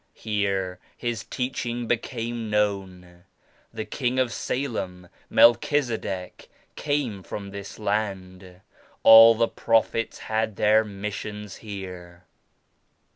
Here His Teaching became known. The King of Salem, Melchizedek came from this land. All the Prophets had their missions here."